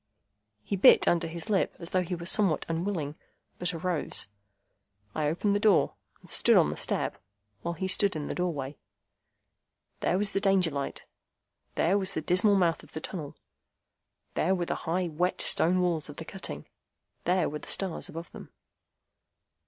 He bit his under lip as though he were somewhat unwilling, but arose. I opened the door, and stood on the step, while he stood in the doorway. There was the Danger light. There was the dismal mouth of the tunnel. There were the high, wet stone walls of the cutting. There were the stars above them.